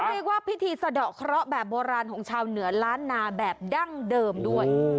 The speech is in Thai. เรียกว่าพิธีสะดอกเคราะห์แบบโบราณของชาวเหนือล้านนาแบบดั้งเดิมด้วย